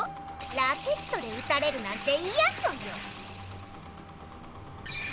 ラケットで打たれるなんていやソヨ！